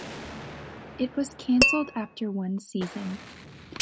It was canceled after one season.